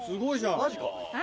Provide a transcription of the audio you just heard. マジか。